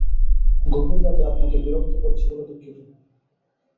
গভীর রাতে আপনাকে বিরক্ত করছি বলে দুঃখিত।